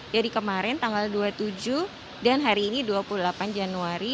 jadi kemarin tanggal dua puluh tujuh dan hari ini dua puluh delapan januari